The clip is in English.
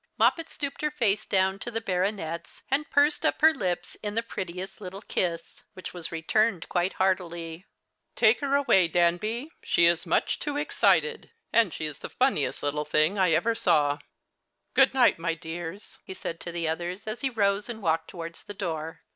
Moj)pet stooped her face down to the baronet's, and pursed up her red lips in the prettiest little kiss, which was returned quite heartily. " Take her away, Danby, she is much too excited, and The Christmas Hirelings. 113 she is the funniest little thing I ever saw. Good niglit, my dears," he said to the others, as he ruse and walked towards the door.